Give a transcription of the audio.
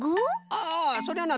あそれはな